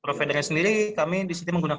providernya sendiri kami disitu menggunakan